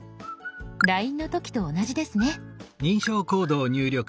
ＬＩＮＥの時と同じですね。